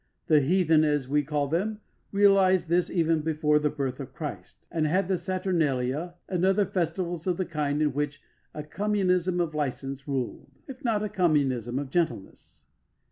The heathen, as we call them, realised this even before the birth of Christ, and had the Saturnalia and other festivals of the kind in which a communism of licence ruled, if not a communism of gentleness.